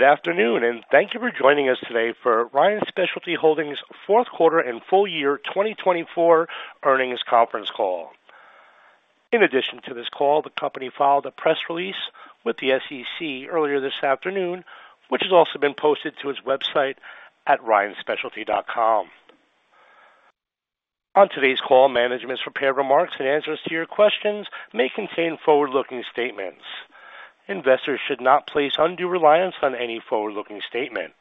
Good afternoon, and thank you for joining us today for Ryan Specialty Holdings' Fourth Quarter and Full Year 2024 Earnings Conference Call. In addition to this call, the company filed a press release with the SEC earlier this afternoon, which has also been posted to its website at ryanspecialty.com. On today's call, management's prepared remarks and answers to your questions may contain forward-looking statements. Investors should not place undue reliance on any forward-looking statement.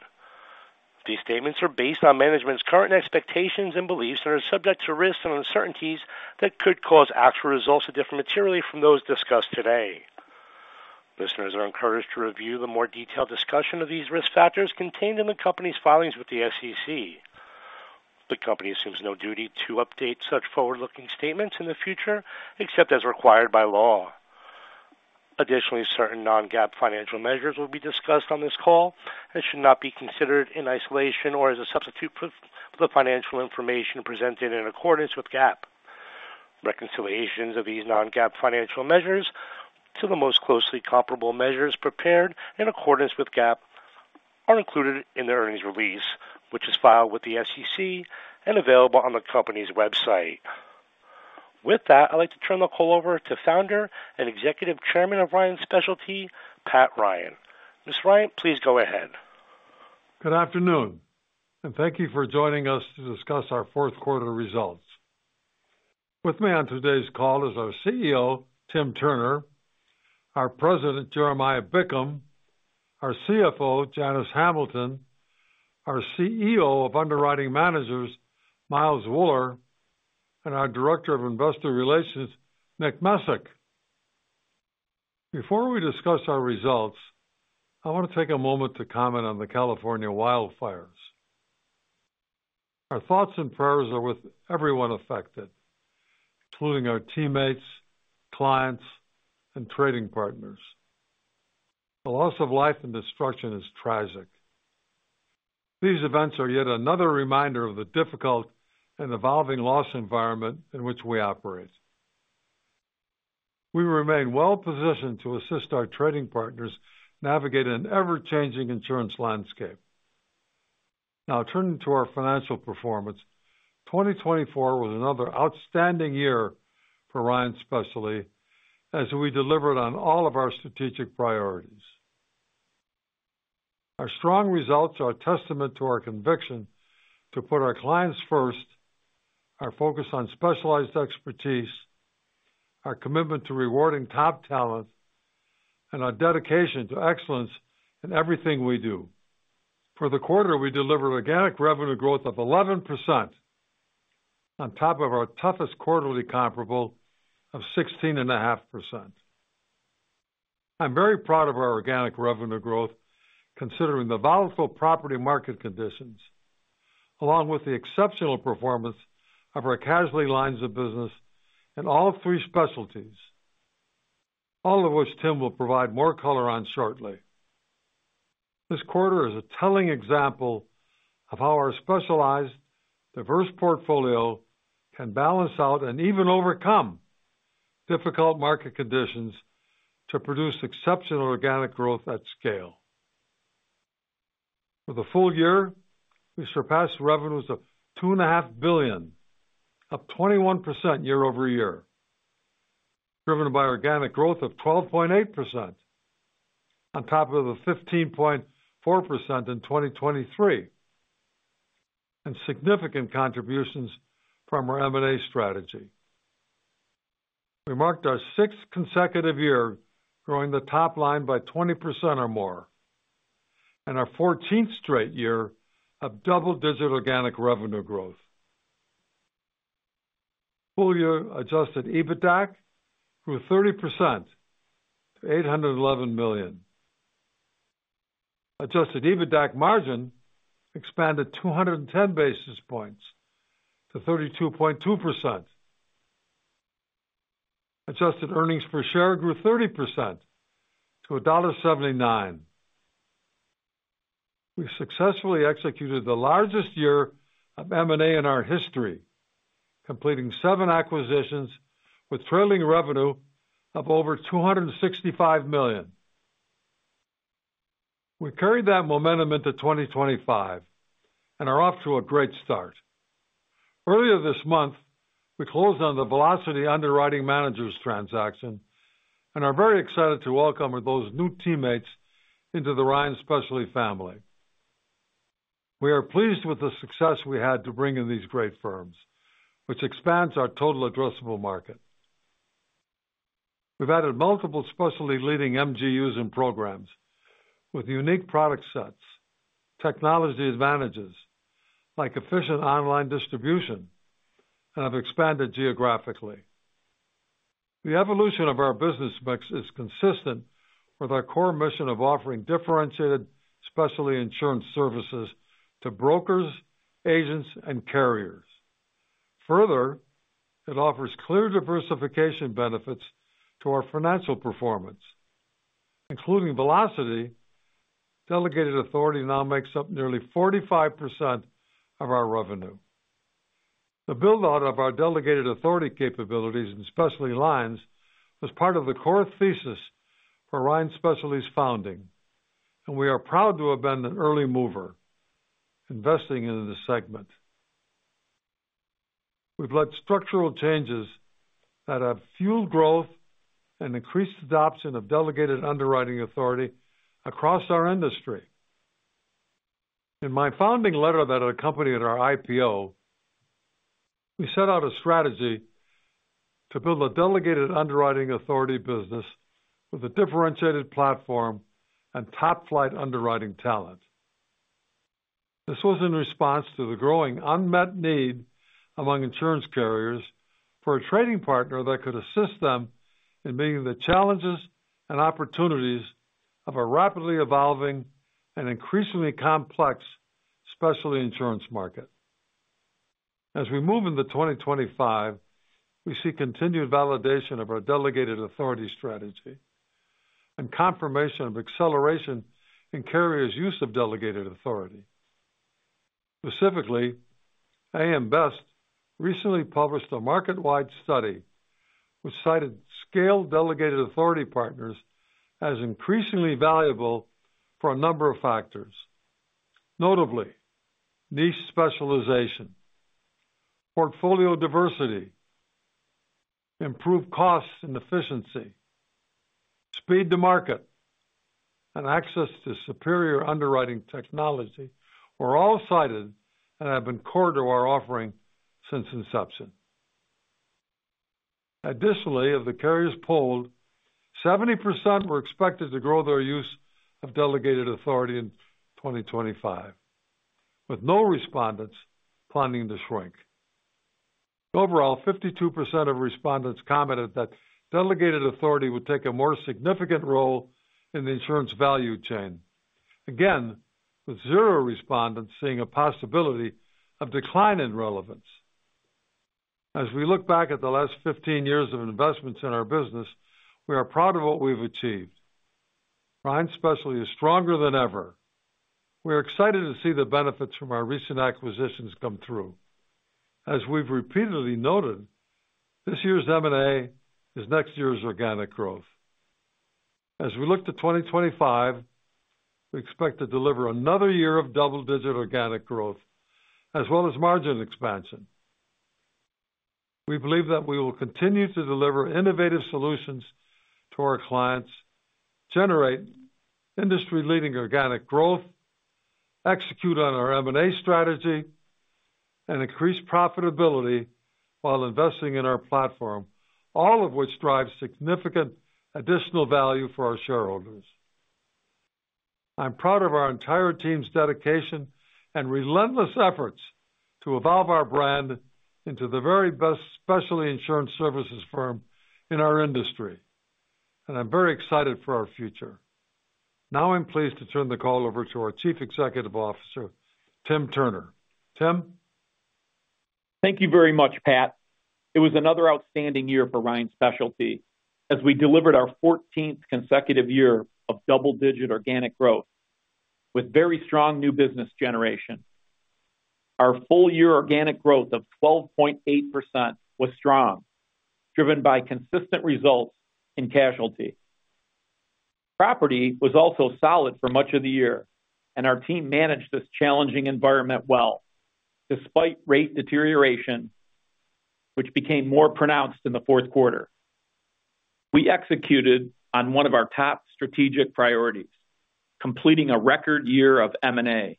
These statements are based on management's current expectations and beliefs and are subject to risks and uncertainties that could cause actual results that differ materially from those discussed today. Listeners are encouraged to review the more detailed discussion of these risk factors contained in the company's filings with the SEC. The company assumes no duty to update such forward-looking statements in the future except as required by law. Additionally, certain non-GAAP financial measures will be discussed on this call and should not be considered in isolation or as a substitute for the financial information presented in accordance with GAAP. Reconciliations of these non-GAAP financial measures to the most closely comparable measures prepared in accordance with GAAP are included in the earnings release, which is filed with the SEC and available on the company's website. With that, I'd like to turn the call over to Founder and Executive Chairman of Ryan Specialty, Pat Ryan. Mr. Ryan, please go ahead. Good afternoon, and thank you for joining us to discuss our fourth quarter results. With me on today's call is our CEO, Tim Turner, our president, Jeremiah Bickham, our CFO, Janice Hamilton, our CEO of Underwriting Managers, Miles Wuller, and our director of investor relations, Nick Mezick. Before we discuss our results, I want to take a moment to comment on the California wildfires. Our thoughts and prayers are with everyone affected, including our teammates, clients, and trading partners. The loss of life and destruction is tragic. These events are yet another reminder of the difficult and evolving loss environment in which we operate. We remain well-positioned to assist our trading partners navigate an ever-changing insurance landscape. Now, turning to our financial performance, 2024 was another outstanding year for Ryan Specialty as we delivered on all of our strategic priorities. Our strong results are a testament to our conviction to put our clients first, our focus on specialized expertise, our commitment to rewarding top talent, and our dedication to excellence in everything we do. For the quarter, we delivered organic revenue growth of 11% on top of our toughest quarterly comparable of 16.5%. I'm very proud of our organic revenue growth, considering the volatile property market conditions, along with the exceptional performance of our casualty lines of business in all three specialties, all of which Tim will provide more color on shortly. This quarter is a telling example of how our specialized, diverse portfolio can balance out and even overcome difficult market conditions to produce exceptional organic growth at scale. For the full year, we surpassed revenues of $2.5 billion, up 21% year-over-year, driven by organic growth of 12.8% on top of the 15.4% in 2023, and significant contributions from our M&A strategy. We marked our sixth consecutive year growing the top line by 20% or more, and our 14th straight year of double-digit organic revenue growth. Full-year Adjusted EBITDA grew 30% to $811 million. Adjusted EBITDA margin expanded 210 basis points to 32.2%. Adjusted earnings per share grew 30% to $1.79. We successfully executed the largest year of M&A in our history, completing seven acquisitions with trailing revenue of over $265 million. We carried that momentum into 2025 and are off to a great start. Earlier this month, we closed on the Velocity Underwriting Managers transaction and are very excited to welcome those new teammates into the Ryan Specialty family. We are pleased with the success we had to bring in these great firms, which expands our total addressable market. We've added multiple specialty leading MGUs and programs with unique product sets, technology advantages like efficient online distribution, and have expanded geographically. The evolution of our business mix is consistent with our core mission of offering differentiated specialty insurance services to brokers, agents, and carriers. Further, it offers clear diversification benefits to our financial performance, including Velocity Delegated Authority now makes up nearly 45% of our revenue. The build-out of our delegated authority capabilities and specialty lines was part of the core thesis for Ryan Specialty's founding, and we are proud to have been an early mover investing in the segment. We've led structural changes that have fueled growth and increased adoption of delegated underwriting authority across our industry. In my founding letter that accompanied our IPO, we set out a strategy to build a delegated underwriting authority business with a differentiated platform and top-flight underwriting talent. This was in response to the growing unmet need among insurance carriers for a trading partner that could assist them in meeting the challenges and opportunities of a rapidly evolving and increasingly complex specialty insurance market. As we move into 2025, we see continued validation of our delegated authority strategy and confirmation of acceleration in carriers' use of delegated authority. Specifically, AM Best recently published a market-wide study which cited scaled delegated authority partners as increasingly valuable for a number of factors, notably niche specialization, portfolio diversity, improved costs and efficiency, speed to market, and access to superior underwriting technology, were all cited and have been core to our offering since inception. Additionally, of the carriers polled, 70% were expected to grow their use of delegated authority in 2025, with no respondents planning to shrink. Overall, 52% of respondents commented that delegated authority would take a more significant role in the insurance value chain, again with zero respondents seeing a possibility of decline in relevance. As we look back at the last 15 years of investments in our business, we are proud of what we've achieved. Ryan Specialty is stronger than ever. We are excited to see the benefits from our recent acquisitions come through. As we've repeatedly noted, this year's M&A is next year's organic growth. As we look to 2025, we expect to deliver another year of double-digit organic growth as well as margin expansion. We believe that we will continue to deliver innovative solutions to our clients, generate industry-leading organic growth, execute on our M&A strategy, and increase profitability while investing in our platform, all of which drives significant additional value for our shareholders. I'm proud of our entire team's dedication and relentless efforts to evolve our brand into the very best specialty insurance services firm in our industry, and I'm very excited for our future. Now I'm pleased to turn the call over to our Chief Executive Officer, Tim Turner. Tim. Thank you very much, Pat. It was another outstanding year for Ryan Specialty as we delivered our 14th consecutive year of double-digit organic growth with very strong new business generation. Our full-year organic growth of 12.8% was strong, driven by consistent results in casualty. Property was also solid for much of the year, and our team managed this challenging environment well despite rate deterioration, which became more pronounced in the fourth quarter. We executed on one of our top strategic priorities, completing a record year of M&A,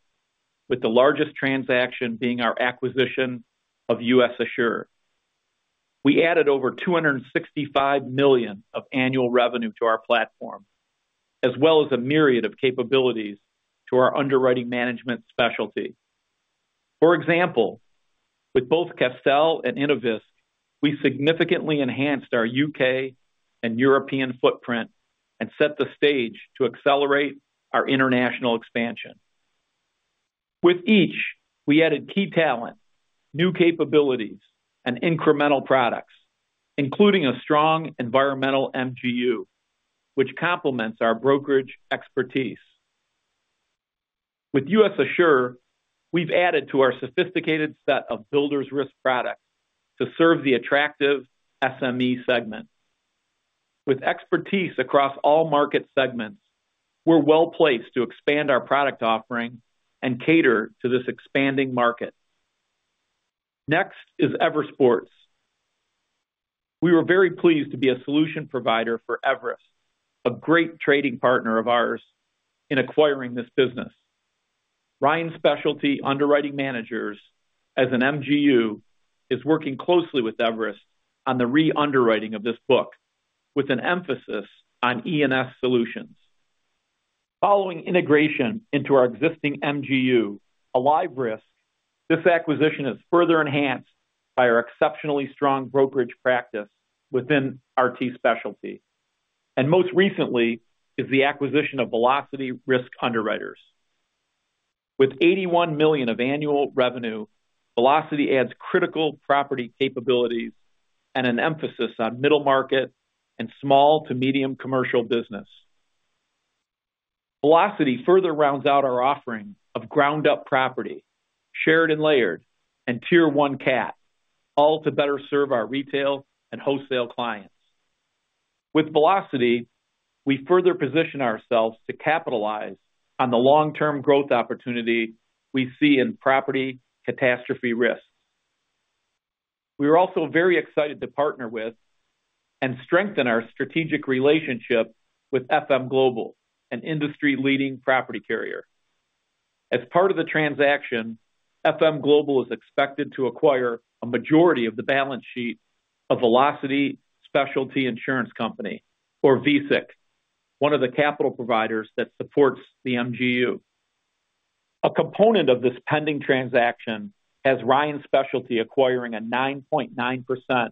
with the largest transaction being our acquisition of US Assure. We added over $265 million of annual revenue to our platform, as well as a myriad of capabilities to our underwriting management specialty. For example, with both Castel and Innovisk, we significantly enhanced our U.K. and European footprint and set the stage to accelerate our international expansion. With each, we added key talent, new capabilities, and incremental products, including a strong environmental MGU, which complements our brokerage expertise. With US Assure, we've added to our sophisticated set of Builders Risk products to serve the attractive SME segment. With expertise across all market segments, we're well placed to expand our product offering and cater to this expanding market. Next is EverSports. We were very pleased to be a solution provider for Everest, a great trading partner of ours in acquiring this business. Ryan Specialty Underwriting Managers, as an MGU, is working closely with Everest on the re-underwriting of this book, with an emphasis on E&S solutions. Following integration into our existing MGU, Alive Risk, this acquisition is further enhanced by our exceptionally strong brokerage practice within RT Specialty, and most recently is the acquisition of Velocity Risk Underwriters. With $81 million of annual revenue, Velocity adds critical property capabilities and an emphasis on middle market and small to medium commercial business. Velocity further rounds out our offering of ground-up property, shared and layered, and Tier 1 Cat, all to better serve our retail and wholesale clients. With Velocity, we further position ourselves to capitalize on the long-term growth opportunity we see in property catastrophe risks. We are also very excited to partner with and strengthen our strategic relationship with FM Global, an industry-leading property carrier. As part of the transaction, FM Global is expected to acquire a majority of the balance sheet of Velocity Specialty Insurance Company, or VSIC, one of the capital providers that supports the MGU. A component of this pending transaction has Ryan Specialty acquiring a 9.9%,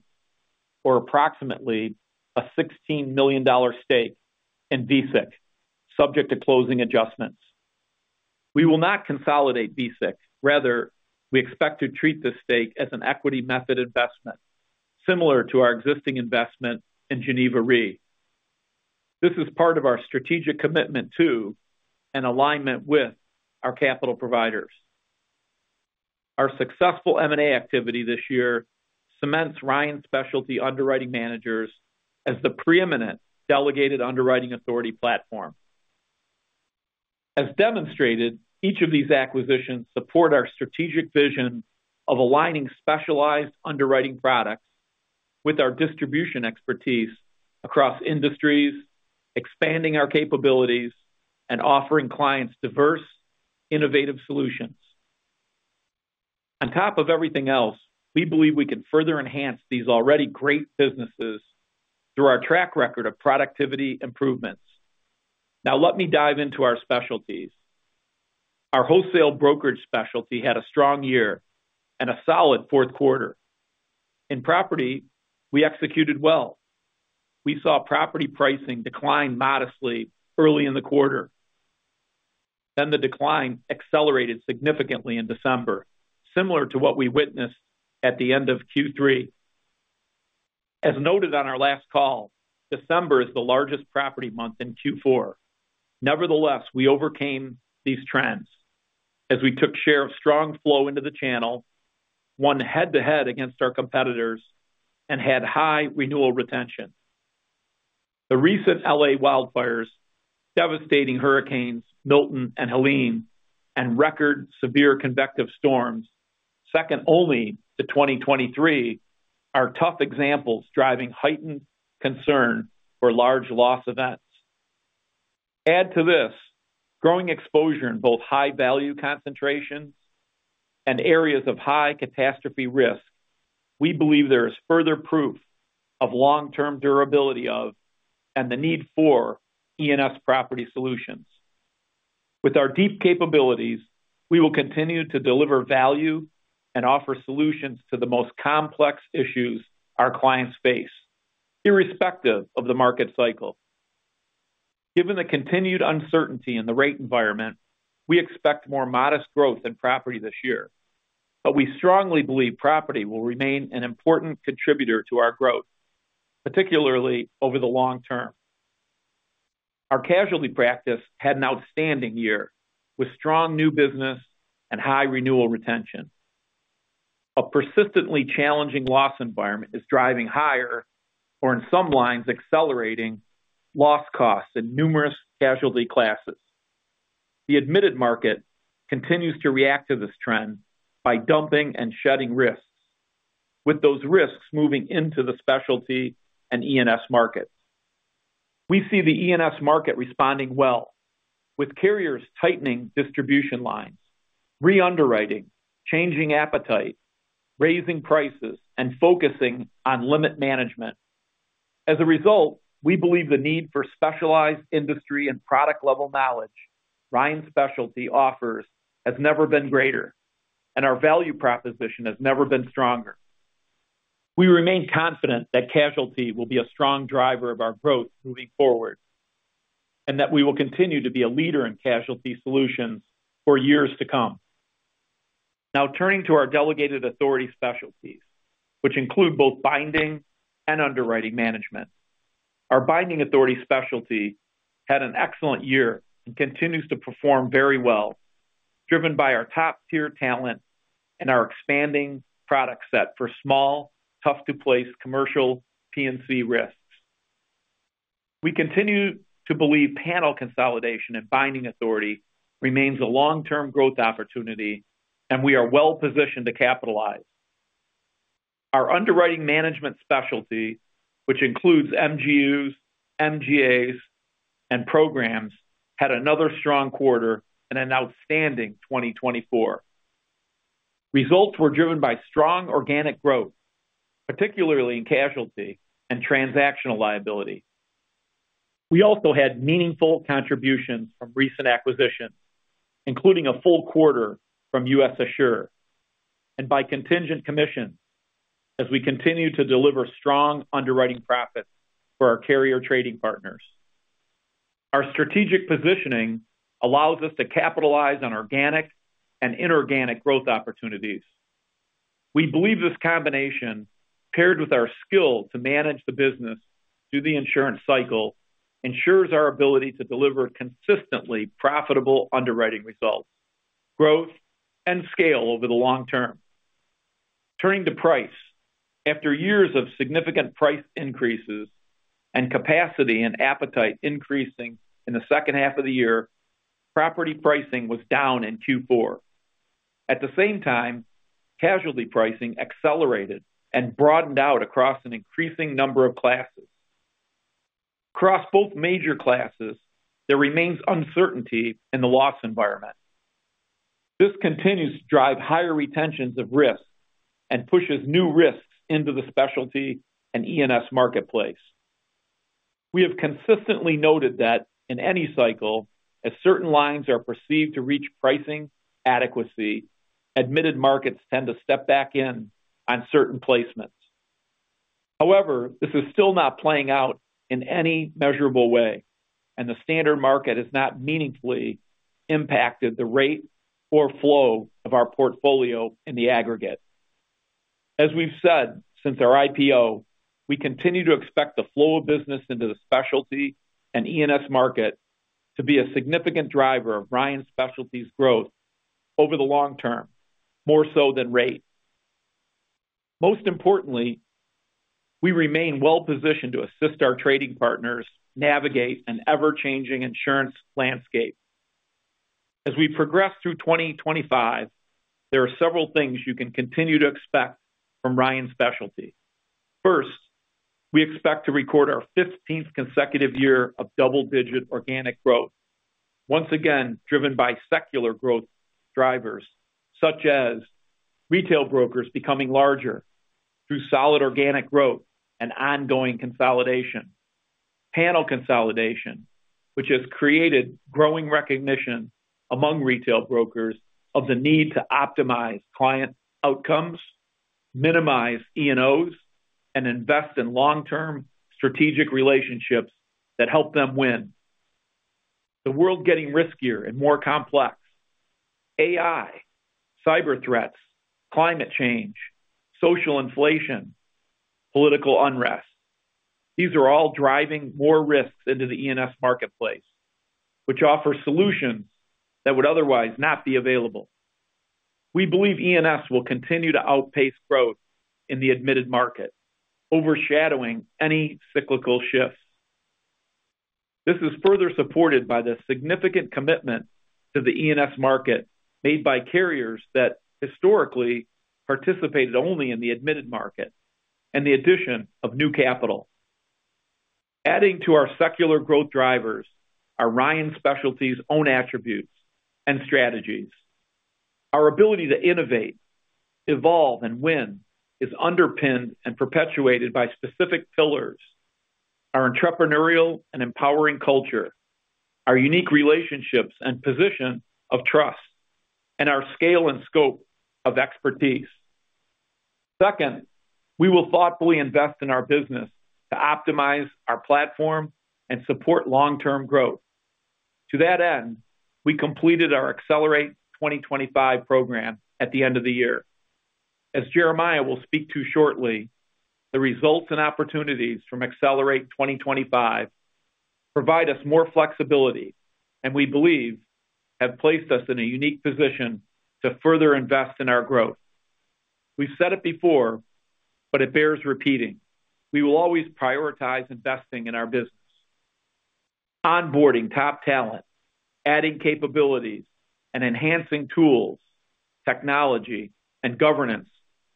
or approximately a $16 million stake in VSIC, subject to closing adjustments. We will not consolidate VSIC. Rather, we expect to treat this stake as an equity method investment, similar to our existing investment in Geneva Re. This is part of our strategic commitment to and alignment with our capital providers. Our successful M&A activity this year cements Ryan Specialty Underwriting Managers as the preeminent delegated underwriting authority platform. As demonstrated, each of these acquisitions supports our strategic vision of aligning specialized underwriting products with our distribution expertise across industries, expanding our capabilities, and offering clients diverse, innovative solutions. On top of everything else, we believe we can further enhance these already great businesses through our track record of productivity improvements. Now let me dive into our specialties. Our wholesale brokerage specialty had a strong year and a solid fourth quarter. In property, we executed well. We saw property pricing decline modestly early in the quarter. Then the decline accelerated significantly in December, similar to what we witnessed at the end of Q3. As noted on our last call, December is the largest property month in Q4. Nevertheless, we overcame these trends as we took share of strong flow into the channel, won head-to-head against our competitors, and had high renewal retention. The recent LA wildfires, devastating hurricanes Milton and Helene, and record severe convective storms, second only to 2023, are tough examples driving heightened concern for large loss events. Add to this growing exposure in both high-value concentrations and areas of high catastrophe risk. We believe there is further proof of long-term durability of and the need for E&S property solutions. With our deep capabilities, we will continue to deliver value and offer solutions to the most complex issues our clients face, irrespective of the market cycle. Given the continued uncertainty in the rate environment, we expect more modest growth in property this year, but we strongly believe property will remain an important contributor to our growth, particularly over the long term. Our casualty practice had an outstanding year with strong new business and high renewal retention. A persistently challenging loss environment is driving higher, or in some lines, accelerating loss costs in numerous casualty classes. The admitted market continues to react to this trend by dumping and shedding risks, with those risks moving into the specialty and E&S markets. We see the E&S market responding well, with carriers tightening distribution lines, re-underwriting, changing appetite, raising prices, and focusing on limit management. As a result, we believe the need for specialized industry and product-level knowledge Ryan Specialty offers has never been greater, and our value proposition has never been stronger. We remain confident that casualty will be a strong driver of our growth moving forward and that we will continue to be a leader in casualty solutions for years to come. Now turning to our delegated authority specialties, which include both binding and underwriting management, our binding authority specialty had an excellent year and continues to perform very well, driven by our top-tier talent and our expanding product set for small, tough-to-place commercial P&C risks. We continue to believe panel consolidation and binding authority remains a long-term growth opportunity, and we are well positioned to capitalize. Our underwriting management specialty, which includes MGUs, MGAs, and programs, had another strong quarter and an outstanding 2024. Results were driven by strong organic growth, particularly in casualty and transactional liability. We also had meaningful contributions from recent acquisitions, including a full quarter from US Assure and by contingent commission as we continue to deliver strong underwriting profits for our carrier trading partners. Our strategic positioning allows us to capitalize on organic and inorganic growth opportunities. We believe this combination, paired with our skill to manage the business through the insurance cycle, ensures our ability to deliver consistently profitable underwriting results, growth, and scale over the long term. Turning to price, after years of significant price increases and capacity and appetite increasing in the second half of the year, property pricing was down in Q4. At the same time, casualty pricing accelerated and broadened out across an increasing number of classes. Across both major classes, there remains uncertainty in the loss environment. This continues to drive higher retentions of risk and pushes new risks into the specialty and E&S marketplace. We have consistently noted that in any cycle, as certain lines are perceived to reach pricing adequacy, admitted markets tend to step back in on certain placements. However, this is still not playing out in any measurable way, and the standard market has not meaningfully impacted the rate or flow of our portfolio in the aggregate. As we've said since our IPO, we continue to expect the flow of business into the specialty and E&S market to be a significant driver of Ryan Specialty's growth over the long term, more so than rate. Most importantly, we remain well positioned to assist our trading partners navigate an ever-changing insurance landscape. As we progress through 2025, there are several things you can continue to expect from Ryan Specialty. First, we expect to record our 15th consecutive year of double-digit organic growth, once again driven by secular growth drivers such as retail brokers becoming larger through solid organic growth and ongoing consolidation. Panel consolidation, which has created growing recognition among retail brokers of the need to optimize client outcomes, minimize E&Os, and invest in long-term strategic relationships that help them win. The world is getting riskier and more complex. AI, cyber threats, climate change, social inflation, political unrest, these are all driving more risks into the E&S marketplace, which offers solutions that would otherwise not be available. We believe E&S will continue to outpace growth in the admitted market, overshadowing any cyclical shifts. This is further supported by the significant commitment to the E&S market made by carriers that historically participated only in the admitted market and the addition of new capital. Adding to our secular growth drivers are Ryan Specialty's own attributes and strategies. Our ability to innovate, evolve, and win is underpinned and perpetuated by specific pillars: our entrepreneurial and empowering culture, our unique relationships and position of trust, and our scale and scope of expertise. Second, we will thoughtfully invest in our business to optimize our platform and support long-term growth. To that end, we completed our Accelerate 2025 program at the end of the year. As Jeremiah will speak to shortly, the results and opportunities from Accelerate 2025 provide us more flexibility and, we believe, have placed us in a unique position to further invest in our growth. We've said it before, but it bears repeating: we will always prioritize investing in our business. Onboarding top talent, adding capabilities, and enhancing tools, technology, and governance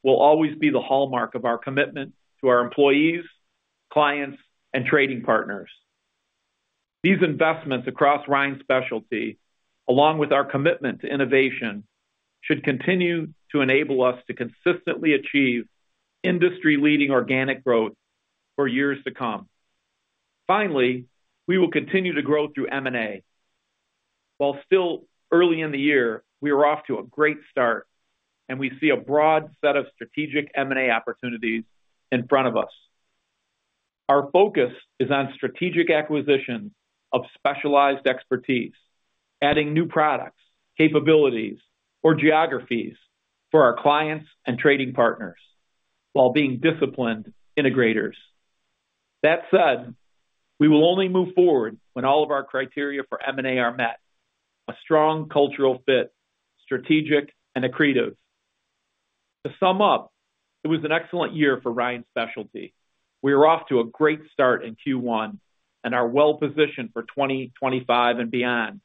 will always be the hallmark of our commitment to our employees, clients, and trading partners. These investments across Ryan Specialty, along with our commitment to innovation, should continue to enable us to consistently achieve industry-leading organic growth for years to come. Finally, we will continue to grow through M&A. While still early in the year, we are off to a great start, and we see a broad set of strategic M&A opportunities in front of us. Our focus is on strategic acquisition of specialized expertise, adding new products, capabilities, or geographies for our clients and trading partners while being disciplined integrators. That said, we will only move forward when all of our criteria for M&A are met: a strong cultural fit, strategic, and accretive. To sum up, it was an excellent year for Ryan Specialty. We are off to a great start in Q1 and are well positioned for 2025 and beyond.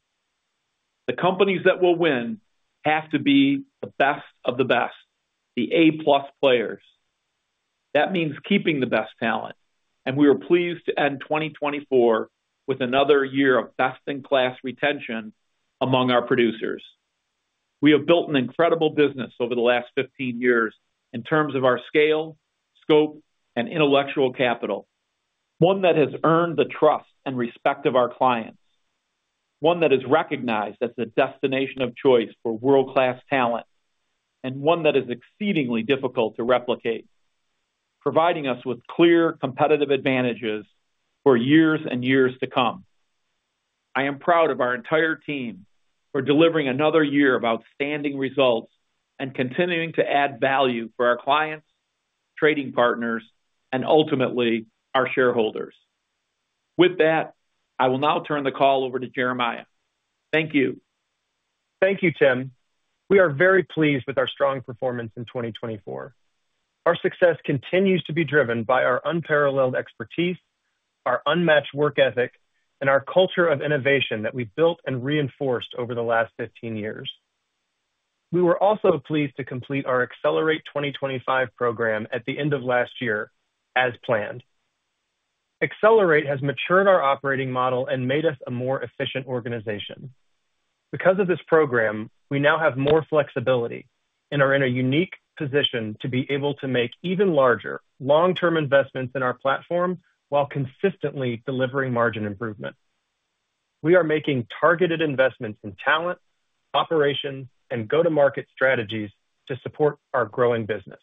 The companies that will win have to be the best of the best, the A-plus players. That means keeping the best talent, and we are pleased to end 2024 with another year of best-in-class retention among our producers. We have built an incredible business over the last 15 years in terms of our scale, scope, and intellectual capital, one that has earned the trust and respect of our clients, one that is recognized as the destination of choice for world-class talent, and one that is exceedingly difficult to replicate, providing us with clear competitive advantages for years and years to come. I am proud of our entire team for delivering another year of outstanding results and continuing to add value for our clients, trading partners, and ultimately our shareholders. With that, I will now turn the call over to Jeremiah. Thank you. Thank you, Tim. We are very pleased with our strong performance in 2024. Our success continues to be driven by our unparalleled expertise, our unmatched work ethic, and our culture of innovation that we've built and reinforced over the last 15 years. We were also pleased to complete our Accelerate 2025 program at the end of last year as planned. Accelerate has matured our operating model and made us a more efficient organization. Because of this program, we now have more flexibility and are in a unique position to be able to make even larger long-term investments in our platform while consistently delivering margin improvement. We are making targeted investments in talent, operations, and go-to-market strategies to support our growing business.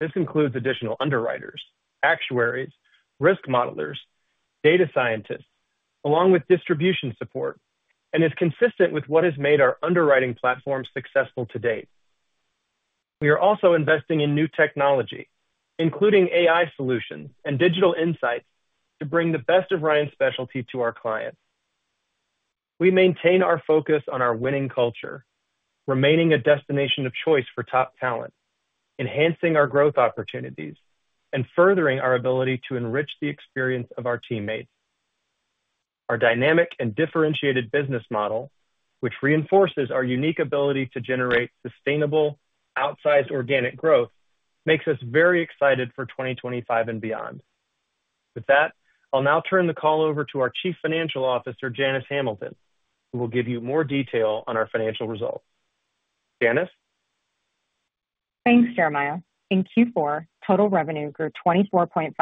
This includes additional underwriters, actuaries, risk modelers, data scientists, along with distribution support, and is consistent with what has made our underwriting platform successful to date. We are also investing in new technology, including AI solutions and digital insights, to bring the best of Ryan Specialty to our clients. We maintain our focus on our winning culture, remaining a destination of choice for top talent, enhancing our growth opportunities, and furthering our ability to enrich the experience of our teammates. Our dynamic and differentiated business model, which reinforces our unique ability to generate sustainable outsized organic growth, makes us very excited for 2025 and beyond. With that, I'll now turn the call over to our Chief Financial Officer, Janice Hamilton, who will give you more detail on our financial results. Janice? Thanks, Jeremiah. In Q4, total revenue grew 24.5%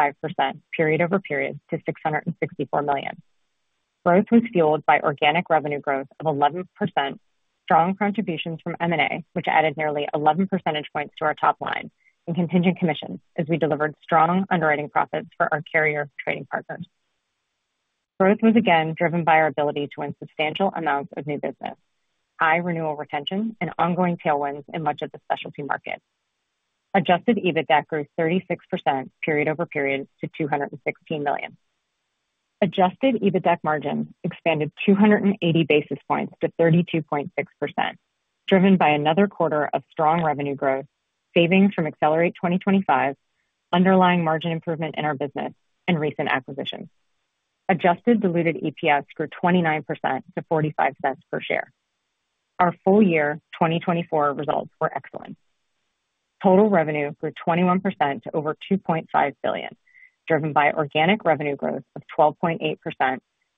period over period to $664 million. Growth was fueled by organic revenue growth of 11%, strong contributions from M&A, which added nearly 11 percentage points to our top line, and contingent commissions as we delivered strong underwriting profits for our carrier trading partners. Growth was again driven by our ability to win substantial amounts of new business, high renewal retention, and ongoing tailwinds in much of the specialty market. Adjusted EBITDA grew 36% period over period to $216 million. Adjusted EBITDA margin expanded 280 basis points to 32.6%, driven by another quarter of strong revenue growth, savings from Accelerate 2025, underlying margin improvement in our business, and recent acquisitions. Adjusted diluted EPS grew 29% to $0.45 per share. Our full year 2024 results were excellent. Total revenue grew 21% to over $2.5 billion, driven by organic revenue growth of 12.8%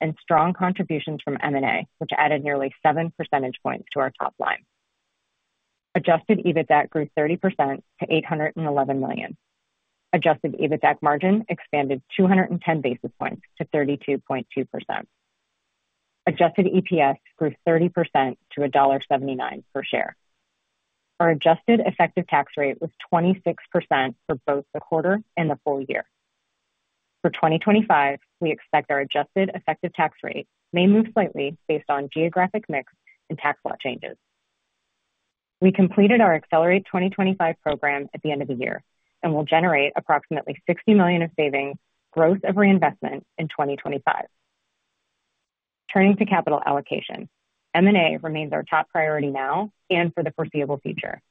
and strong contributions from M&A, which added nearly 7 percentage points to our top line. Adjusted EBITDA grew 30% to $811 million. Adjusted EBITDA margin expanded 210 basis points to 32.2%. Adjusted EPS grew 30% to $1.79 per share. Our adjusted effective tax rate was 26% for both the quarter and the full year. For 2025, we expect our adjusted effective tax rate may move slightly based on geographic mix and tax law changes. We completed our Accelerate 2025 program at the end of the year and will generate approximately $60 million of savings, gross of reinvestment in 2025. Turning to capital allocation, M&A remains our top priority now and for the foreseeable future.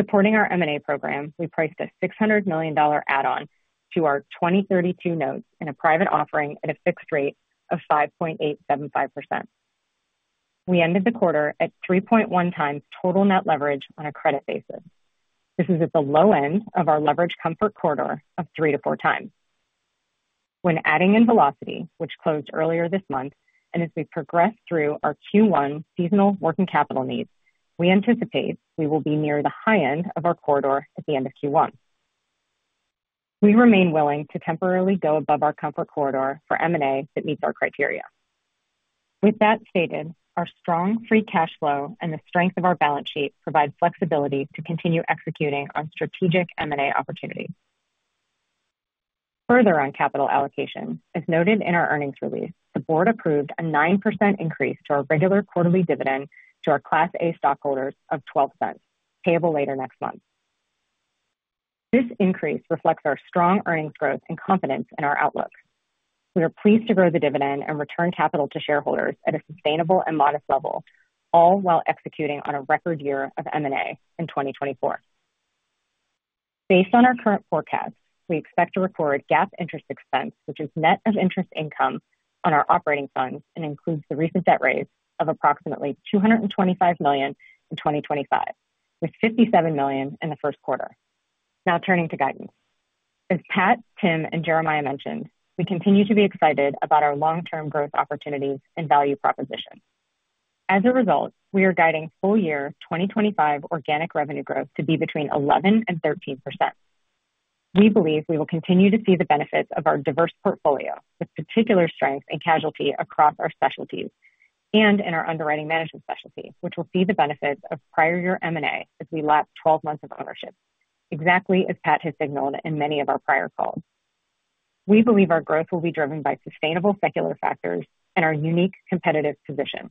Supporting our M&A program, we priced a $600 million add-on to our 2032 notes in a private offering at a fixed rate of 5.875%. We ended the quarter at 3.1 times total net leverage on a credit basis. This is at the low end of our leverage comfort corridor of three to four times. When adding in Velocity, which closed earlier this month, and as we progress through our Q1 seasonal working capital needs, we anticipate we will be near the high end of our corridor at the end of Q1. We remain willing to temporarily go above our comfort corridor for M&A that meets our criteria. With that stated, our strong free cash flow and the strength of our balance sheet provide flexibility to continue executing on strategic M&A opportunities. Further on capital allocation, as noted in our earnings release, the board approved a 9% increase to our regular quarterly dividend to our Class A stockholders of $0.12, payable later next month. This increase reflects our strong earnings growth and confidence in our outlook. We are pleased to grow the dividend and return capital to shareholders at a sustainable and modest level, all while executing on a record year of M&A in 2024. Based on our current forecast, we expect to record GAAP interest expense, which is net of interest income on our operating funds and includes the recent debt raise of approximately $225 million in 2025, with $57 million in the first quarter. Now turning to guidance. As Pat, Tim, and Jeremiah mentioned, we continue to be excited about our long-term growth opportunities and value proposition. As a result, we are guiding full year 2025 organic revenue growth to be between 11% and 13%. We believe we will continue to see the benefits of our diverse portfolio, with particular strength in casualty across our specialties and in our underwriting management specialty, which will see the benefits of prior year M&A as we lap last 12 months of ownership, exactly as Pat has signaled in many of our prior calls. We believe our growth will be driven by sustainable secular factors and our unique competitive position.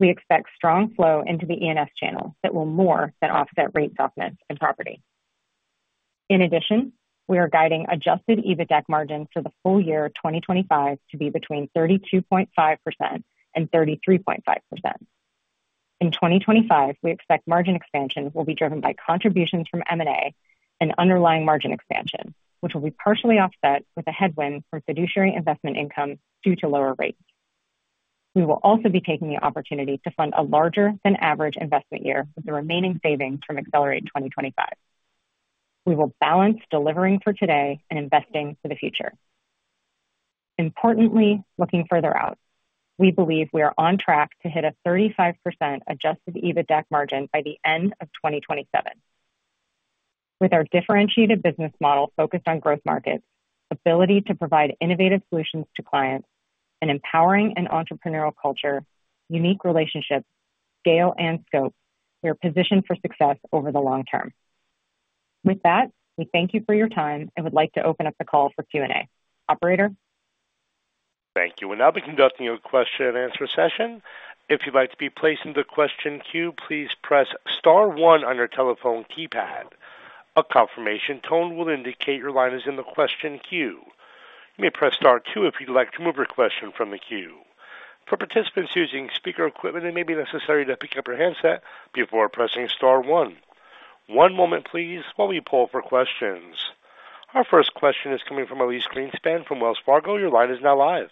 We expect strong flow into the E&S channel that will more than offset rate softness in property. In addition, we are guiding adjusted EBITDA margin for the full year 2025 to be between 32.5% and 33.5%. In 2025, we expect margin expansion will be driven by contributions from M&A and underlying margin expansion, which will be partially offset by a headwind from fiduciary investment income due to lower rates. We will also be taking the opportunity to fund a larger-than-average investment year with the remaining savings from Accelerate 2025. We will balance delivering for today and investing for the future. Importantly, looking further out, we believe we are on track to hit a 35% Adjusted EBITDA margin by the end of 2027. With our differentiated business model focused on growth markets, ability to provide innovative solutions to clients, an empowering and entrepreneurial culture, unique relationships, scale and scope, we are positioned for success over the long term. With that, we thank you for your time and would like to open up the call for Q&A. Operator? Thank you. We'll now be conducting a question and answer session. If you'd like to be placed in the question queue, please press star one on your telephone keypad. A confirmation tone will indicate your line is in the question queue. You may press star two if you'd like to move your question from the queue. For participants using speaker equipment, it may be necessary to pick up your handset before pressing star one. One moment, please, while we pull up our questions. Our first question is coming from Elyse Greenspan from Wells Fargo. Your line is now live.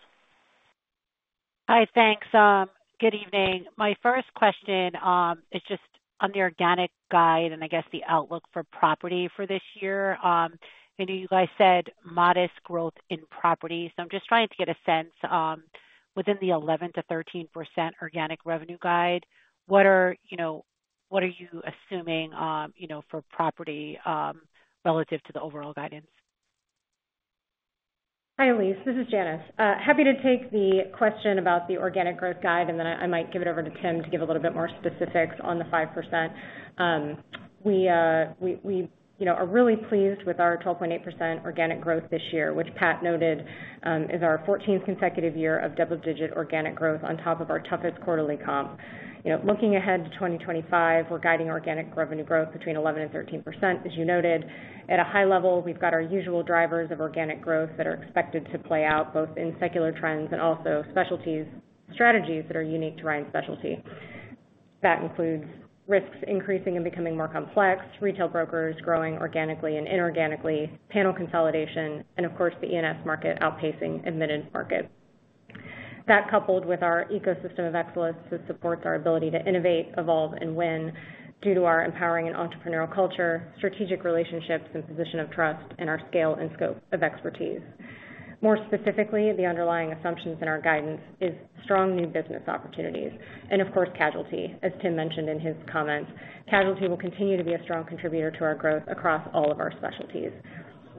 Hi, thanks. Good evening. My first question is just on the organic guide and I guess the outlook for property for this year. I know you guys said modest growth in property, so I'm just trying to get a sense. Within the 11%-13% organic revenue guide, what are you assuming for property relative to the overall guidance? Hi, Elyse. This is Janice. Happy to take the question about the organic growth guide, and then I might give it over to Tim to give a little bit more specifics on the 5%. We are really pleased with our 12.8% organic growth this year, which Pat noted is our 14th consecutive year of double-digit organic growth on top of our toughest quarterly comp. Looking ahead to 2025, we're guiding organic revenue growth between 11% and 13%, as you noted. At a high level, we've got our usual drivers of organic growth that are expected to play out both in secular trends and also specialties strategies that are unique to Ryan Specialty. That includes risks increasing and becoming more complex, retail brokers growing organically and inorganically, panel consolidation, and of course, the E&S market outpacing admitted market. That coupled with our ecosystem of excellence that supports our ability to innovate, evolve, and win due to our empowering and entrepreneurial culture, strategic relationships and position of trust, and our scale and scope of expertise. More specifically, the underlying assumptions in our guidance is strong new business opportunities. And of course, casualty, as Tim mentioned in his comments, casualty will continue to be a strong contributor to our growth across all of our specialties.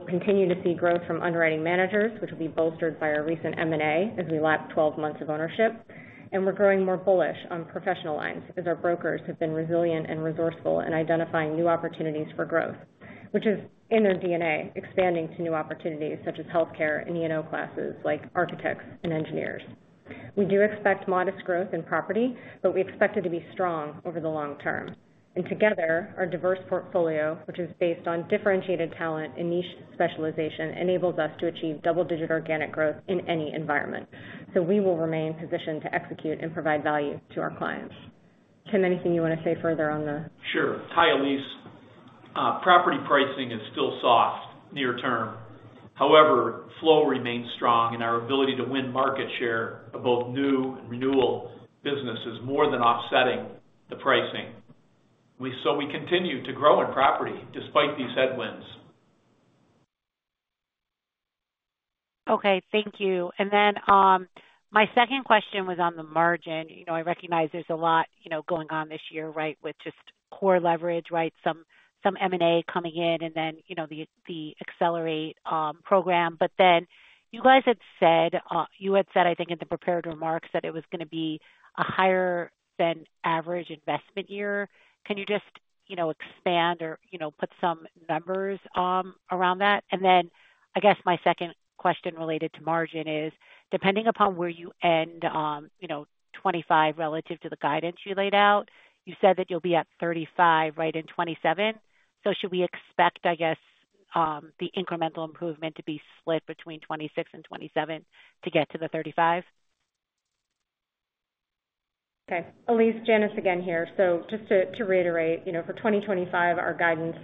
We'll continue to see growth from underwriting managers, which will be bolstered by our recent M&A over the last 12 months of ownership. And we're growing more bullish on professional lines as our brokers have been resilient and resourceful in identifying new opportunities for growth, which is in their DNA, expanding to new opportunities such as healthcare and E&O classes like architects and engineers. We do expect modest growth in property, but we expect it to be strong over the long term, and together, our diverse portfolio, which is based on differentiated talent and niche specialization, enables us to achieve double-digit organic growth in any environment, so we will remain positioned to execute and provide value to our clients. Tim, anything you want to say further on the? Sure. Hi, Elyse. Property pricing is still soft near term. However, flow remains strong, and our ability to win market share of both new and renewal business is more than offsetting the pricing. So we continue to grow in property despite these headwinds. Okay. Thank you, and then my second question was on the margin. I recognize there's a lot going on this year, right, with just core leverage, right, some M&A coming in, and then the Accelerate program. But then you guys had said, you had said, I think in the prepared remarks, that it was going to be a higher-than-average investment year. Can you just expand or put some numbers around that? And then I guess my second question related to margin is, depending upon where you end 2025 relative to the guidance you laid out, you said that you'll be at 35% right in 2027. So should we expect, I guess, the incremental improvement to be split between 2026 and 2027 to get to the 35%? Okay. Elyse, Janice again here. So just to reiterate, for 2025, our guidance,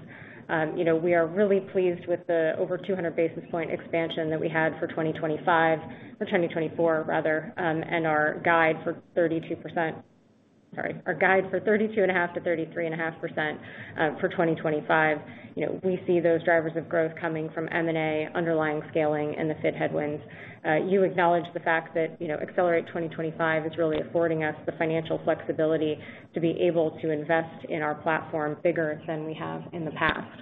we are really pleased with the over 200 basis points expansion that we had for 2025, for 2024, rather, and our guide for 32%. Sorry. Our guide for 32.5%-33.5% for 2025. We see those drivers of growth coming from M&A, underlying scaling, and the FII headwinds. You acknowledge the fact that Accelerate 2025 is really affording us the financial flexibility to be able to invest in our platform bigger than we have in the past.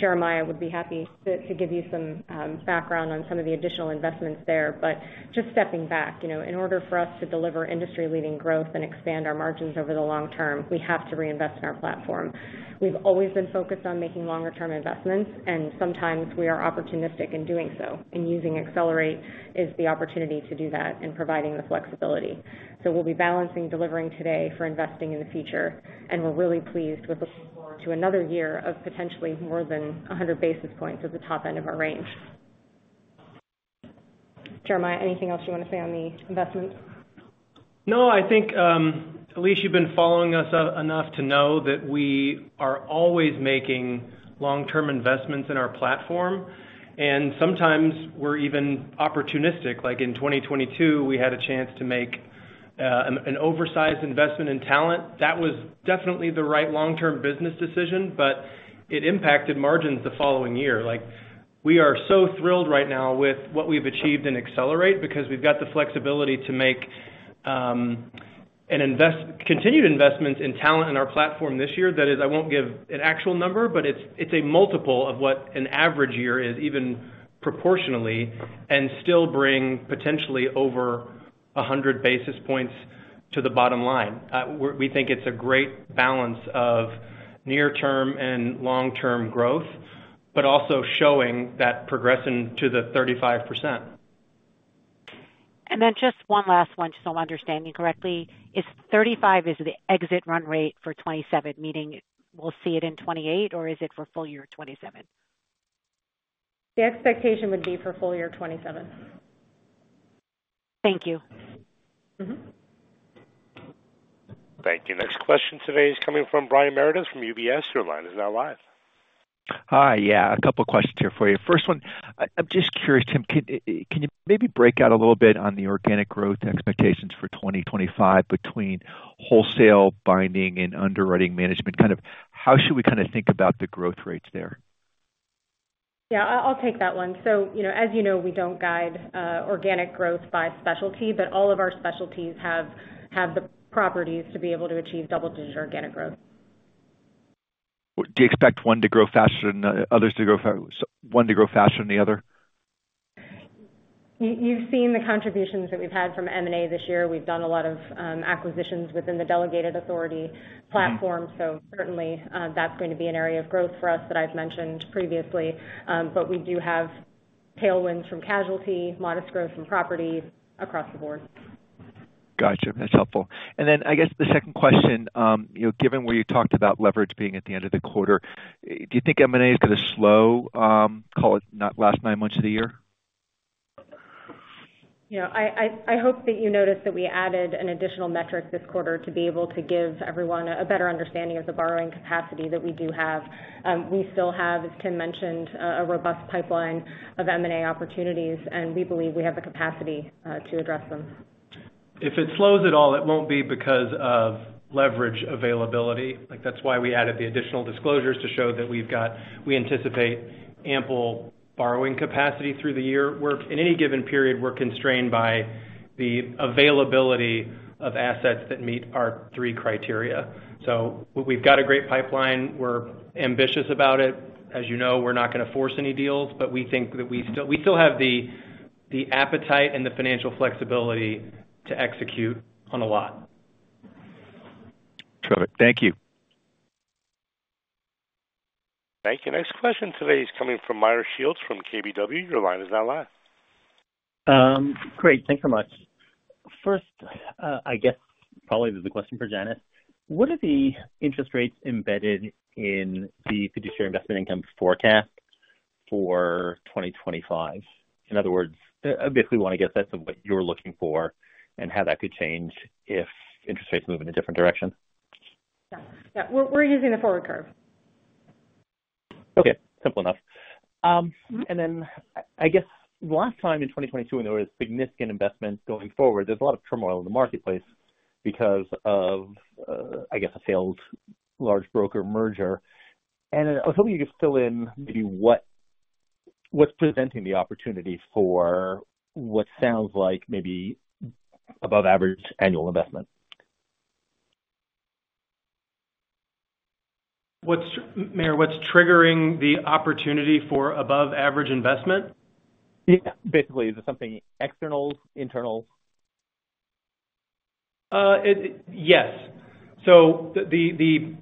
Jeremiah would be happy to give you some background on some of the additional investments there. But just stepping back, in order for us to deliver industry-leading growth and expand our margins over the long term, we have to reinvest in our platform. We've always been focused on making longer-term investments, and sometimes we are opportunistic in doing so. And using Accelerate is the opportunity to do that and providing the flexibility. So we'll be balancing delivering today for investing in the future. We're really pleased, looking forward to another year of potentially more than 100 basis points at the top end of our range. Jeremiah, anything else you want to say on the investments? No, I think, Elyse, you've been following us enough to know that we are always making long-term investments in our platform, and sometimes we're even opportunistic. Like in 2022, we had a chance to make an oversized investment in talent. That was definitely the right long-term business decision, but it impacted margins the following year. We are so thrilled right now with what we've achieved in Accelerate because we've got the flexibility to make continued investments in talent in our platform this year. That is, I won't give an actual number, but it's a multiple of what an average year is, even proportionally, and still bring potentially over 100 basis points to the bottom line. We think it's a great balance of near-term and long-term growth, but also showing that progression to the 35%. And then just one last one, just so I'm understanding correctly. Is 35 the exit run rate for 2027, meaning we'll see it in 2028, or is it for full year 2027? The expectation would be for full year 2027. Thank you. Thank you. Next question today is coming from Brian Meredith from UBS. Your line is now live. Hi. Yeah, a couple of questions here for you. First one, I'm just curious, Tim, can you maybe break out a little bit on the organic growth expectations for 2025 between Wholesale, Binding, and Underwriting Management? Kind of how should we kind of think about the growth rates there? Yeah, I'll take that one. So as you know, we don't guide organic growth by specialty, but all of our specialties have the properties to be able to achieve double-digit organic growth. Do you expect one to grow faster than the other? You've seen the contributions that we've had from M&A this year. We've done a lot of acquisitions within the delegated authority platform. So certainly, that's going to be an area of growth for us that I've mentioned previously. But we do have tailwinds from casualty, modest growth from property across the board. Gotcha. That's helpful. And then I guess the second question, given where you talked about leverage being at the end of the quarter, do you think M&A is going to slow, call it, the last nine months of the year? Yeah. I hope that you noticed that we added an additional metric this quarter to be able to give everyone a better understanding of the borrowing capacity that we do have. We still have, as Tim mentioned, a robust pipeline of M&A opportunities, and we believe we have the capacity to address them. If it slows at all, it won't be because of leverage availability. That's why we added the additional disclosures to show that we anticipate ample borrowing capacity through the year. In any given period, we're constrained by the availability of assets that meet our three criteria, so we've got a great pipeline. We're ambitious about it. As you know, we're not going to force any deals, but we think that we still have the appetite and the financial flexibility to execute on a lot. Terrific. Thank you. Thank you. Next question today is coming from Meyer Shields from KBW. Your line is now live. Great. Thanks so much. First, I guess probably the question for Janice, what are the interest rates embedded in the fiduciary investment income forecast for 2025? In other words, basically want to get a sense of what you're looking for and how that could change if interest rates move in a different direction. Yeah. We're using the forward curve. Okay. Simple enough. And then I guess the last time in 2022, when there were significant investments going forward, there's a lot of turmoil in the marketplace because of, I guess, a failed large broker merger. And I was hoping you could fill in maybe what's presenting the opportunity for what sounds like maybe above-average annual investment. Meyer, what's triggering the opportunity for above-average investment? Yeah. Basically, is it something external, internal? Yes. So the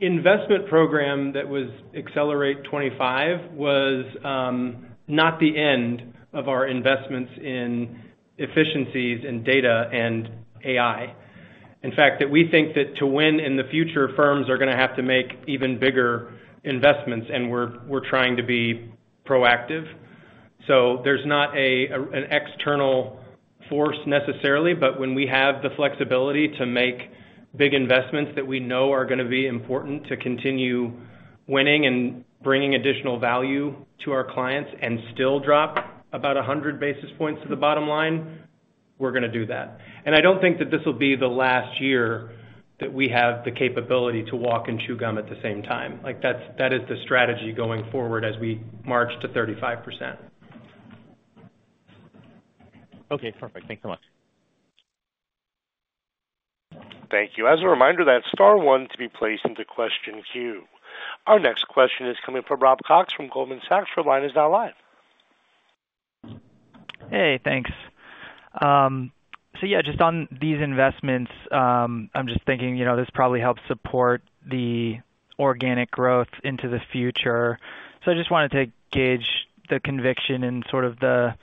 investment program that was Accelerate 2025 was not the end of our investments in efficiencies and data and AI. In fact, we think that to win in the future, firms are going to have to make even bigger investments, and we're trying to be proactive. So there's not an external force necessarily, but when we have the flexibility to make big investments that we know are going to be important to continue winning and bringing additional value to our clients and still drop about 100 basis points to the bottom line, we're going to do that. And I don't think that this will be the last year that we have the capability to walk and chew gum at the same time. That is the strategy going forward as we march to 35%. Okay. Perfect. Thanks so much. Thank you. As a reminder, that star one to be placed into the question queue. Our next question is coming from Rob Cox from Goldman Sachs. Your line is now live. Hey. Thanks. So yeah, just on these investments, I'm just thinking this probably helps support the organic growth into the future. So I just wanted to gauge the conviction in sort of the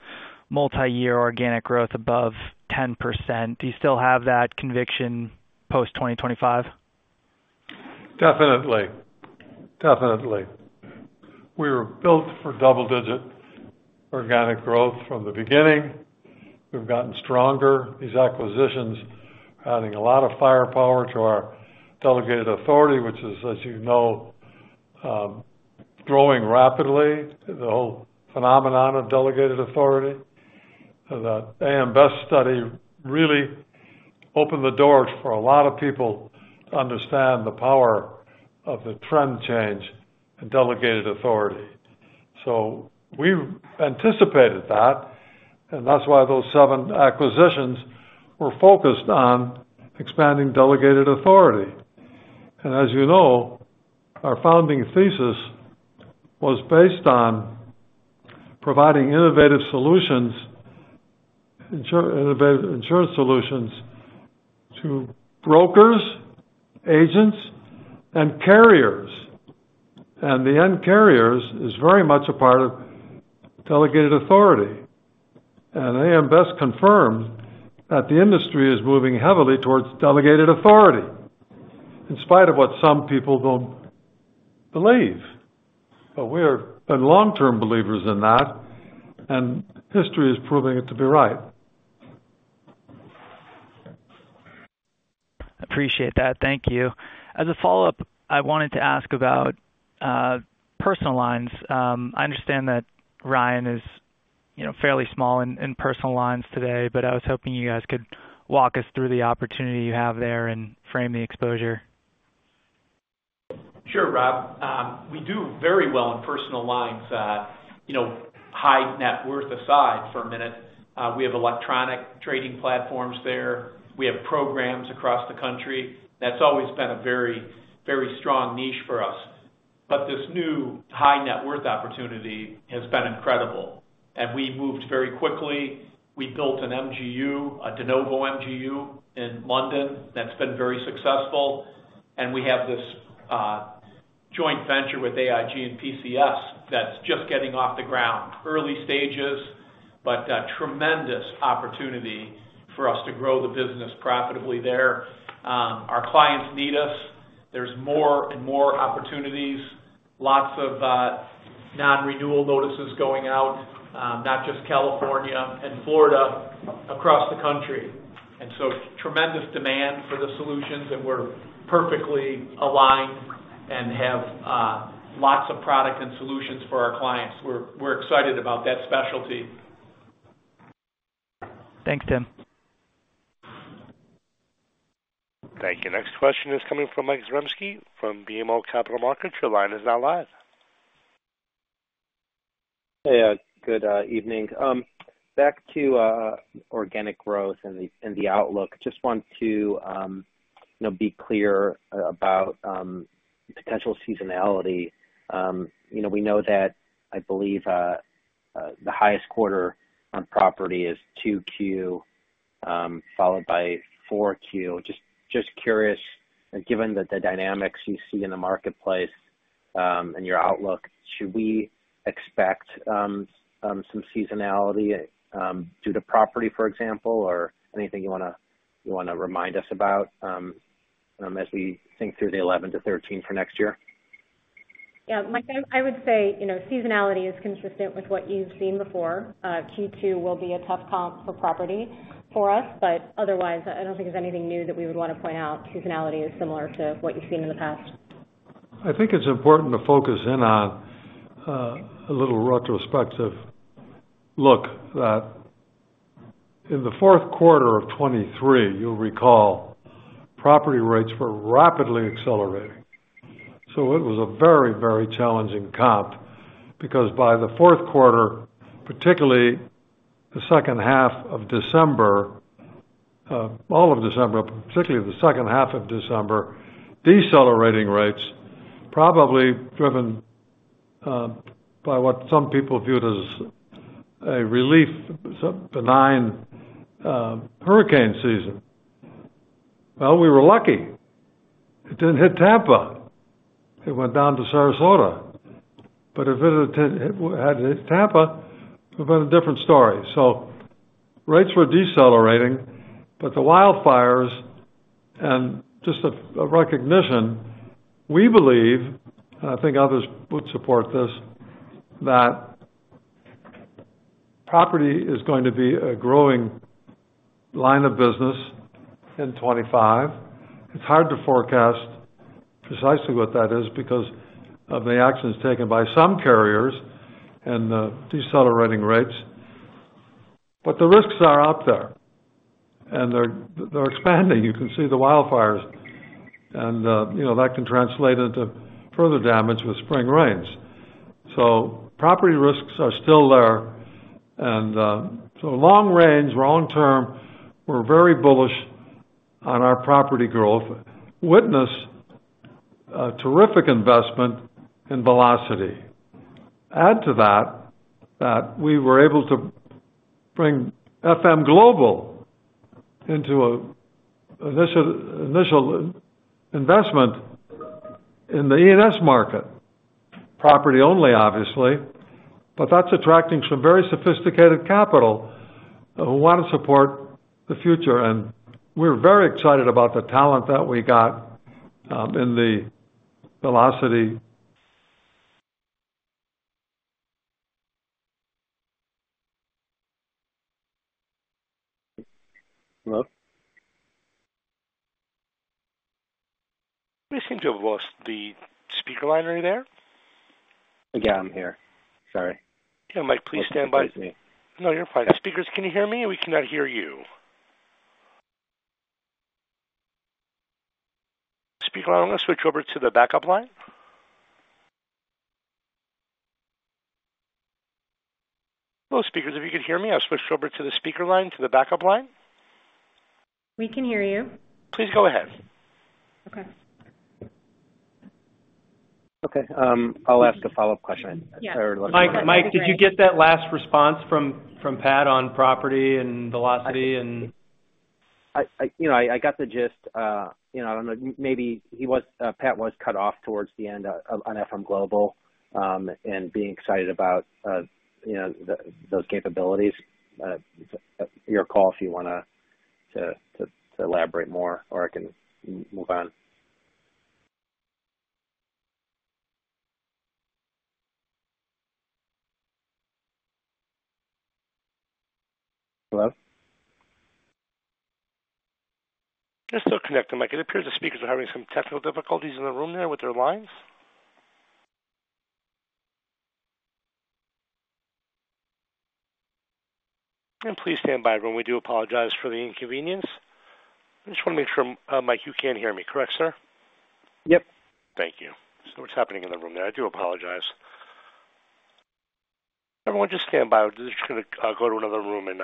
multi-year organic growth above 10%. Do you still have that conviction post-2025? Definitely. Definitely. We were built for double-digit organic growth from the beginning. We've gotten stronger. These acquisitions are adding a lot of firepower to our delegated authority, which is, as you know, growing rapidly, the whole phenomenon of delegated authority. The AM Best study really opened the doors for a lot of people to understand the power of the trend change in delegated authority. So we anticipated that, and that's why those seven acquisitions were focused on expanding delegated authority. And as you know, our founding thesis was based on providing innovative solutions, insurance solutions to brokers, agents, and carriers. And the end carriers is very much a part of delegated authority. And AM Best confirmed that the industry is moving heavily towards delegated authority in spite of what some people don't believe. But we have been long-term believers in that, and history is proving it to be right. Appreciate that. Thank you. As a follow-up, I wanted to ask about personal lines. I understand that Ryan is fairly small in personal lines today, but I was hoping you guys could walk us through the opportunity you have there and frame the exposure. Sure, Rob. We do very well in personal lines. High net worth aside for a minute, we have electronic trading platforms there. We have programs across the country. That's always been a very, very strong niche for us. But this new high net worth opportunity has been incredible. And we moved very quickly. We built an MGU, a de novo MGU in London that's been very successful. And we have this joint venture with AIG and PCS that's just getting off the ground. Early stages, but tremendous opportunity for us to grow the business profitably there. Our clients need us. There's more and more opportunities, lots of non-renewal notices going out, not just California and Florida, across the country. And so tremendous demand for the solutions, and we're perfectly aligned and have lots of product and solutions for our clients. We're excited about that specialty. Thanks, Tim. Thank you. Next question is coming from Mike Zaremski from BMO Capital Markets. Your line is now live. Hey. Good evening. Back to organic growth and the outlook. Just want to be clear about potential seasonality. We know that, I believe, the highest quarter on property is 2Q, followed by 4Q. Just curious, given the dynamics you see in the marketplace and your outlook, should we expect some seasonality due to property, for example, or anything you want to remind us about as we think through the 11 to 13 for next year? Yeah. Mike, I would say seasonality is consistent with what you've seen before. Q2 will be a tough comp for property for us. But otherwise, I don't think there's anything new that we would want to point out. Seasonality is similar to what you've seen in the past. I think it's important to focus in on a little retrospective look. In the fourth quarter of 2023, you'll recall, property rates were rapidly accelerating. So it was a very, very challenging comp because by the fourth quarter, particularly the second half of December, all of December, but particularly the second half of December, decelerating rates, probably driven by what some people viewed as a relief, benign hurricane season. Well, we were lucky. It didn't hit Tampa. It went down to Sarasota. But if it had hit Tampa, it would have been a different story. So rates were decelerating, but the wildfires and just a recognition, we believe, and I think others would support this, that property is going to be a growing line of business in 2025. It's hard to forecast precisely what that is because of the actions taken by some carriers and the decelerating rates. But the risks are up there, and they're expanding. You can see the wildfires, and that can translate into further damage with spring rains. So property risks are still there. And so long range, long term, we're very bullish on our property growth. Witness a terrific investment in Velocity. Add to that that we were able to bring FM Global into an initial investment in the E&S market, property only, obviously. But that's attracting some very sophisticated capital who want to support the future. And we're very excited about the talent that we got in the Velocity. Hello? Please change over to the speaker line right there. Yeah. I'm here. Sorry. Yeah. Mike, please stand by. No, you're fine. Speakers, can you hear me? We cannot hear you. Speaker line, I'm going to switch over to the backup line. Hello, speakers. If you could hear me? I've switched over to the speaker line to the backup line. We can hear you. Please go ahead. Okay. Okay. I'll ask a follow-up question. Yeah. Mike, did you get that last response from Pat on property and Velocity? I got the gist. I don't know. Maybe Pat was cut off towards the end on FM Global and being excited about those capabilities. It's your call if you want to elaborate more, or I can move on. Hello? Just still connecting. Mike, it appears the speakers are having some technical difficulties in the room there with their lines, and please stand by, everyone. We do apologize for the inconvenience. I just want to make sure, Mike, you can hear me? Correct, sir? Yep. Thank you, so what's happening in the room there? I do apologize. Everyone, just stand by. We're just going to go to another room and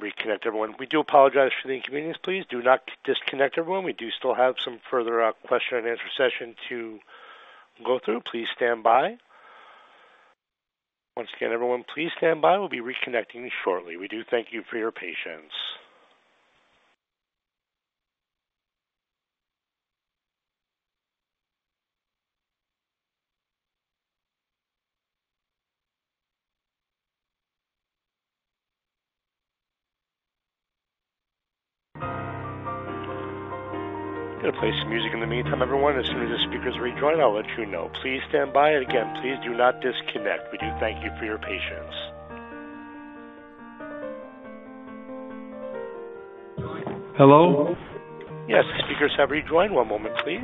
reconnect, everyone. We do apologize for the inconvenience. Please do not disconnect, everyone. We do still have some further question and answer session to go through. Please stand by. Once again, everyone, please stand by. We'll be reconnecting shortly. We do thank you for your patience. Going to play some music in the meantime, everyone. As soon as the speakers rejoin, I'll let you know. Please stand by. And again, please do not disconnect. We do thank you for your patience. Hello? Yes. Speakers have rejoined. One moment, please.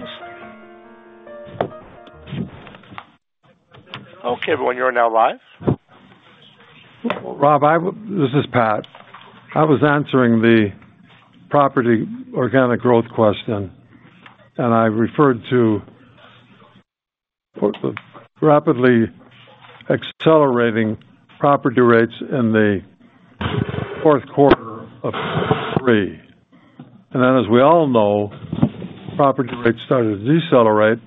Okay. Everyone, you're now live. Rob, this is Pat. I was answering the property organic growth question, and I referred to rapidly accelerating property rates in the fourth quarter of 2023. And then, as we all know, property rates started to decelerate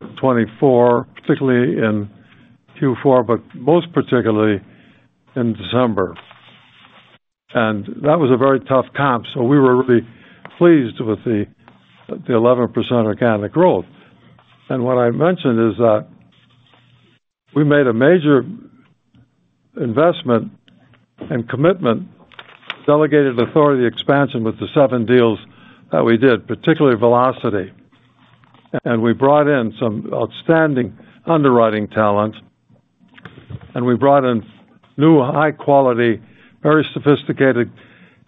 in 2024, particularly in Q4, but most particularly in December. And that was a very tough comp. So we were really pleased with the 11% organic growth. And what I mentioned is that we made a major investment and commitment to delegated authority expansion with the seven deals that we did, particularly Velocity. And we brought in some outstanding underwriting talent, and we brought in new, high-quality, very sophisticated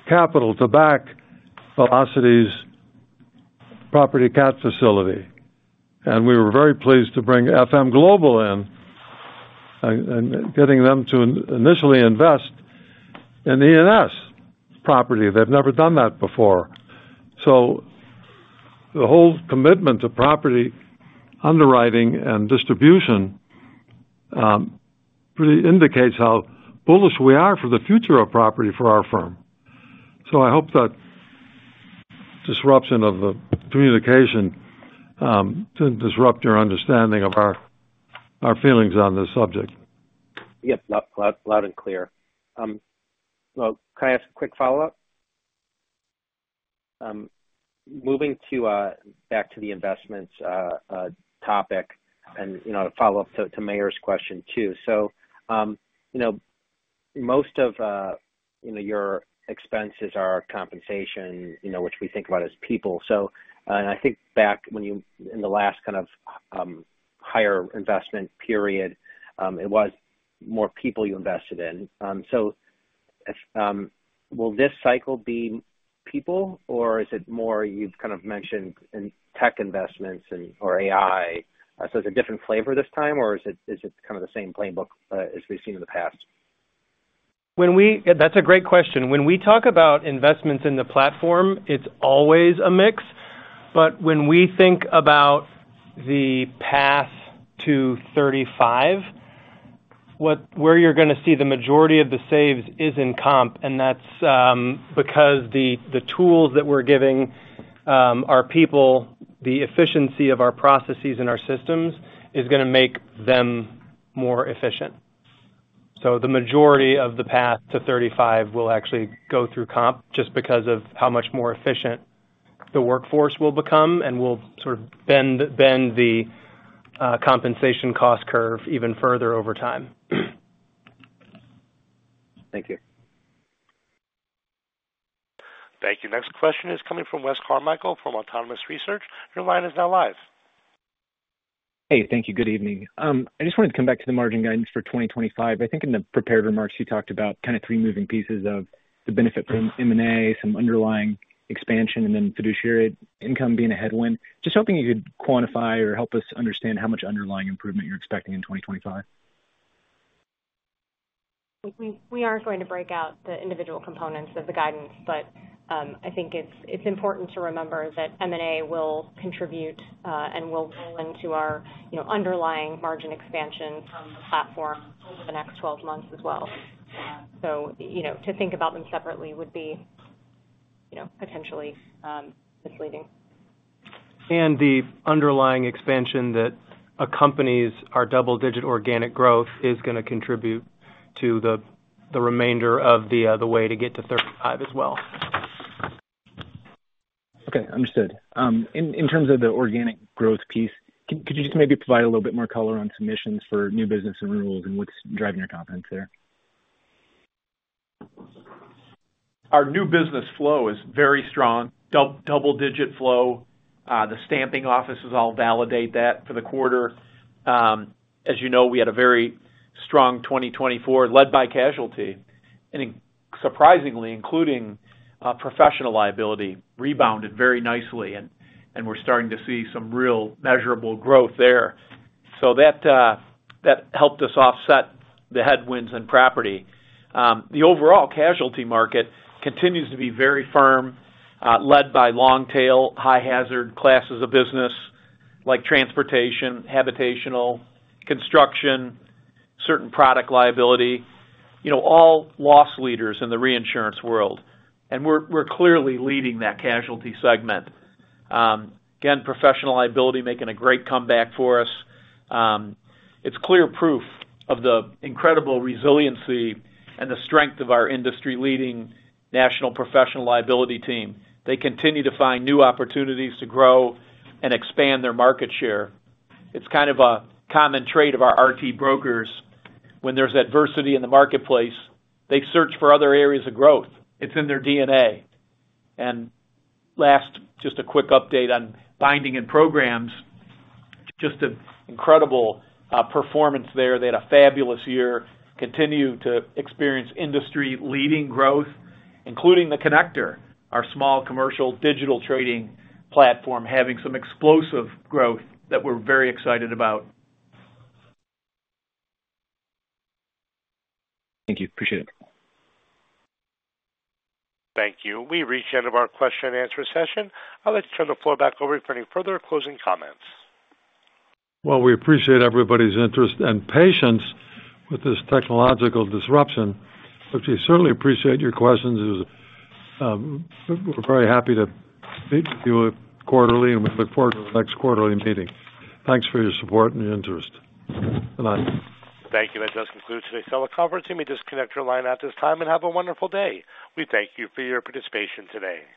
capital to back Velocity's property cat facility. And we were very pleased to bring FM Global in and getting them to initially invest in E&S property. They've never done that before. So the whole commitment to property underwriting and distribution really indicates how bullish we are for the future of property for our firm. So I hope that disruption of the communication didn't disrupt your understanding of our feelings on this subject. Yep. Loud and clear. Can I ask a quick follow-up? Moving back to the investments topic and a follow-up to Meyer's question too, so most of your expenses are compensation, which we think about as people, and I think back in the last kind of higher investment period, it was more people you invested in, so will this cycle be people, or is it more you've kind of mentioned tech investments or AI, so it's a different flavor this time, or is it kind of the same playbook as we've seen in the past? That's a great question. When we talk about investments in the platform, it's always a mix, but when we think about the Path to 35, where you're going to see the majority of the saves is in comp, and that's because the tools that we're giving our people, the efficiency of our processes and our systems, is going to make them more efficient. So the majority of the Path to 35 will actually go through comp just because of how much more efficient the workforce will become and will sort of bend the compensation cost curve even further over time. Thank you. Thank you. Next question is coming from Wes Carmichael from Autonomous Research. Your line is now live. Hey. Thank you. Good evening. I just wanted to come back to the margin guidance for 2025. I think in the prepared remarks, you talked about kind of three moving pieces of the benefit from M&A, some underlying expansion, and then fiduciary income being a headwind. Just hoping you could quantify or help us understand how much underlying improvement you're expecting in 2025. We are going to break out the individual components of the guidance, but I think it's important to remember that M&A will contribute and will roll into our underlying margin expansion from the platform over the next 12 months as well. So to think about them separately would be potentially misleading. And the underlying expansion that accompanies our double-digit organic growth is going to contribute to the remainder of the way to get to 35 as well. Okay. Understood. In terms of the organic growth piece, could you just maybe provide a little bit more color on submissions for new business and renewals and what's driving your confidence there? Our new business flow is very strong, double-digit flow. The stamping offices all validate that for the quarter. As you know, we had a very strong 2024 led by casualty. And surprisingly, including professional liability, rebounded very nicely, and we're starting to see some real measurable growth there. So that helped us offset the headwinds in property. The overall casualty market continues to be very firm, led by long-tail, high-hazard classes of business like transportation, habitational, construction, certain product liability, all loss leaders in the reinsurance world. And we're clearly leading that casualty segment. Again, professional liability making a great comeback for us. It's clear proof of the incredible resiliency and the strength of our industry-leading national professional liability team. They continue to find new opportunities to grow and expand their market share. It's kind of a common trait of our RT brokers. When there's adversity in the marketplace, they search for other areas of growth. It's in their DNA. And last, just a quick update on binding and programs. Just an incredible performance there. They had a fabulous year. Continue to experience industry-leading growth, including The Connector, our small commercial digital trading platform, having some explosive growth that we're very excited about. Thank you. Appreciate it. Thank you. We reached the end of our question and answer session. I'll let you turn the floor back over for any further closing comments. Well, we appreciate everybody's interest and patience with this technological disruption, but we certainly appreciate your questions. We're very happy to meet with you quarterly, and we look forward to the next quarterly meeting. Thanks for your support and your interest. Good night. Thank you. That does conclude today's teleconference. You may disconnect your line at this time and have a wonderful day. We thank you for your participation today.